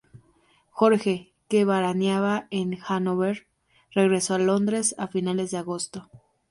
Jorge, que veraneaba en Hannover, regresó a Londres a finales de agosto.